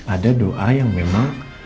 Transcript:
ada doa yang memang